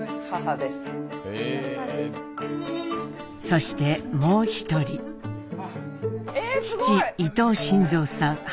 そしてもう一人父伊藤新造さん８５歳。